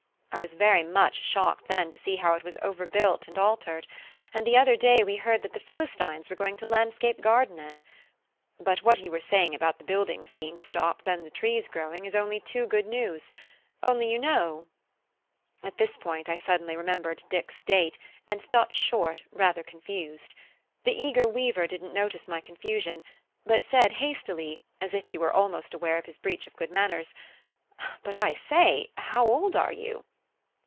I was very much shocked then to see how it was built over and altered; and the other day we heard that the philistines were going to landscape garden it. But what you were saying about the building being stopped and the trees growing is only too good news; only you know " At that point I suddenly remembered Dick's date, and stopped short rather confused. The eager weaver didn't notice my confusion, but said hastily, as if he were almost aware of his breach of good manners, "But, I say, how old are you?"